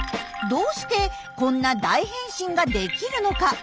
どうしてこんな大変身ができるのか。